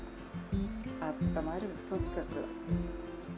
あったまるとにかく。